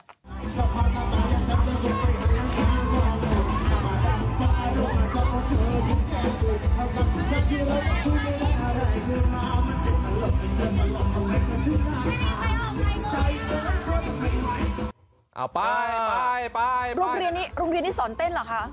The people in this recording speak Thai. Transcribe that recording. รูปเรียนนี้สอนเต้นเหรอคะ